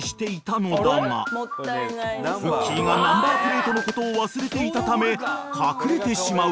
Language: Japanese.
［くっきー！がナンバープレートのことを忘れていたため隠れてしまう］